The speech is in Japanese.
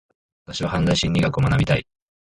私は犯罪心理学を学びたい。